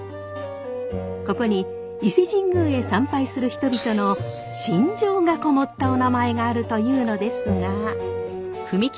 ここに伊勢神宮へ参拝する人々の心情がこもったおなまえがあるというのですが。